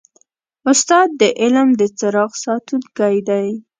استاد د علم د څراغ ساتونکی دی.